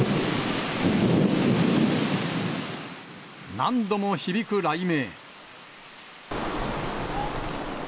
何度も響く雷鳴。